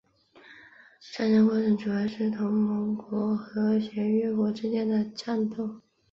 战争过程主要是同盟国和协约国之间的战斗。